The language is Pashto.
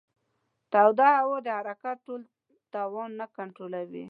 توده هوا د حرکت ټول توان نه کنټرولوي.